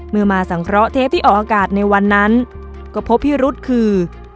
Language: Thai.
มาสังเคราะห์เทปที่ออกอากาศในวันนั้นก็พบพิรุษคือ